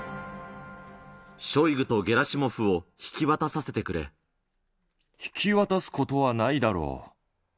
ショイグとゲラシモフを引き引き渡すことはないだろう。